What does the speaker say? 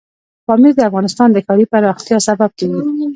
پامیر د افغانستان د ښاري پراختیا سبب کېږي.